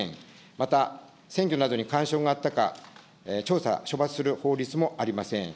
また、選挙などに干渉があったか調査、処罰する法律もありません。